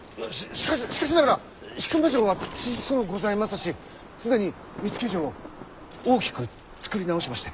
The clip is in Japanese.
しかししかしながら引間城は小そうございますし既に見附城を大きく造り直しまして。